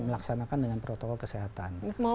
melaksanakan dengan protokol kesehatan